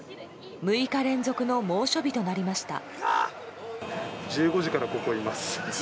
６日連続の猛暑日となりました。